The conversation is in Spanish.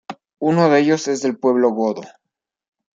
Uno de ellos es del pueblo godo.